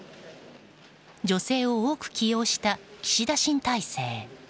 女性を多く起用した岸田新体制。